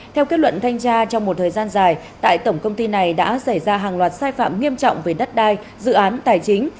theo kết luận thanh tra trong một thời gian dài tại tổng công ty này đã xảy ra hàng loạt sai phạm nghiêm trọng về đất đai dự án tài chính